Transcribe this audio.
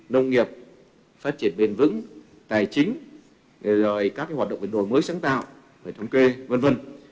nông nghiệp phát triển bền vững tài chính các hoạt động vận đổi mới sáng tạo thống kê v v